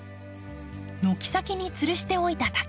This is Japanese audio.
軒先につるしておいた竹。